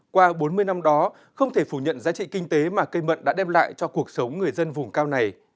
qua bốn mươi năm đó không thể phủ nhận giá trị kinh tế mà cây mận đã đem lại cho cuộc sống người dân vùng cao này